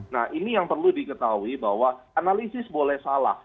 nah ini yang perlu diketahui bahwa analisis boleh salah